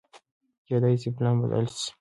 کېدای شي پلان بدل شي.